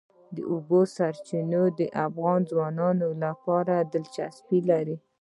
د اوبو سرچینې د افغان ځوانانو لپاره دلچسپي لري.